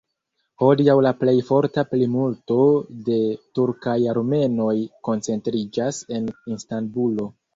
Hodiaŭ la plej forta plimulto de turkaj armenoj koncentriĝas en Istanbulo.